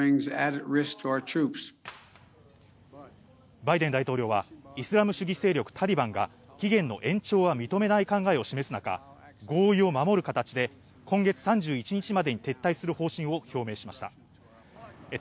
バイデン大統領はイスラム主義勢力・タリバンが期限の延長は認めない考えを示す中、合意を守る形で今月３１日までに撤退する方針を表明しました。